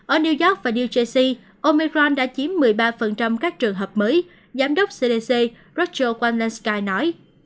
ở new york và new jersey omicron đã chiếm một mươi ba các trường hợp mới giám đốc cdc rachel walensky nói